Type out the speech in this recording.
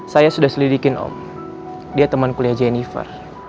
saya sudah selidikin om dia teman kuliah jennifer